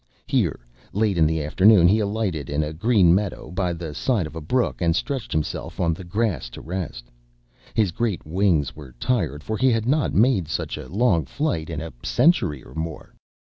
Here, late in the afternoon, he alighted in a green meadow by the side of a brook, and stretched himself on the grass to rest. His great wings were tired, for he had not made such a long flight in a century, or more.